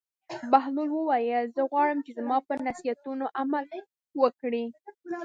بهلول وویل: زه غواړم چې زما پر نصیحتونو عمل وکړې.